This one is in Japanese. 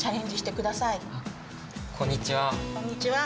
こんにちは。